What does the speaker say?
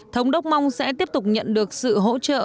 thống đốc mong sẽ tiếp tục nhận được sự hỗ trợ